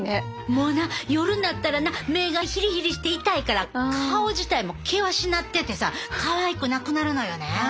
もうな夜になったらな目がヒリヒリして痛いから顔自体も険しなっててさかわいくなくなるのよね。